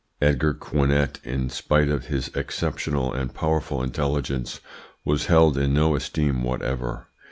Edgar Quinet, in spite of his exceptional and powerful intelligence, was held in no esteem whatever.